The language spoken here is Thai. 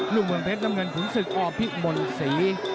ลุงเมืองเพชรเงินขุนศึกอพิกมนศรี